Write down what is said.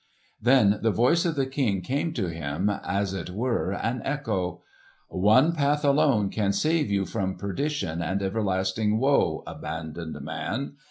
Then the voice of the King came to him, as it were an echo,— "One path alone can save you from perdition and everlasting woe, abandoned man!